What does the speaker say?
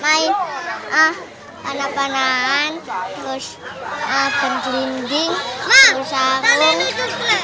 main panah panahan terus berjelinding terus arung terus membeli batok